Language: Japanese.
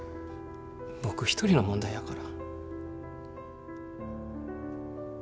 僕一人の問題やから。